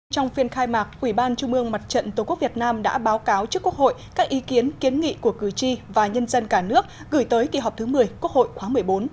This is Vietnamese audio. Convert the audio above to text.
trong phiên khai mạc ủy ban trung ương mặt trận tổ quốc việt nam đã báo cáo trước quốc hội các ý kiến kiến nghị của cử tri và nhân dân cả nước gửi tới kỳ họp thứ một mươi quốc hội khóa một mươi bốn